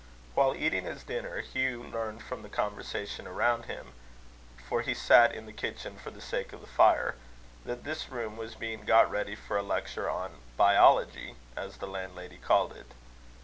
While eating his dinner, Hugh learned from the conversation around him for he sat in the kitchen for the sake of the fire that this room was being got ready for a lecture on Bilology, as the landlady called it.